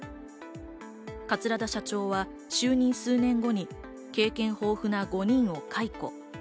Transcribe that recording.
桂田社長は就任数年後に経験豊富な５人を解雇。